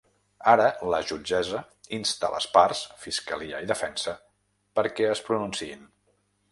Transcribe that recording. Ara, la jutgessa insta les parts –fiscalia i defensa- perquè es pronunciïn.